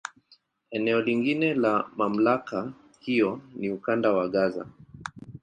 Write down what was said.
Eneo lingine la MamlakA hiyo ni Ukanda wa Gaza.